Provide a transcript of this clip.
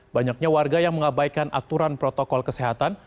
banyaknya warga yang mengabaikan aturan protokol kesehatan